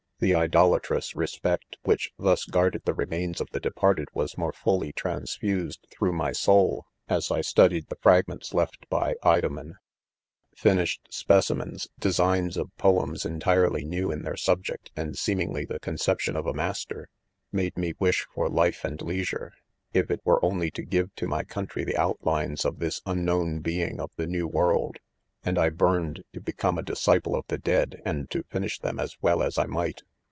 The idolatrous respect which thus guarded, the remains of the departed was more fully transfused through my soul, as I studied the fragments left by '; do men.' :! 'KMi shed" ■ spe^ciMeris:/ designs; op no ems ■§n°> tirely new in their subject/ and seemingly the ' conception :'of%^master| ; ;n^te : ;in0' wish" forfife and leisure, if it were only, to give to my couri° try the outlines of Ihisvunknown .'being of the new world, and! bitrned to become a disciple of the dead, and to rfinish them as '"well as I 'might.